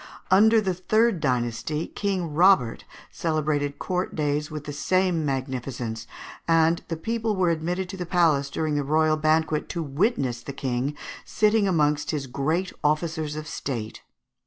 Under the third dynasty King Robert celebrated court days with the same magnificence, and the people were admitted to the palace during the royal banquet to witness the King sitting amongst his great officers of state.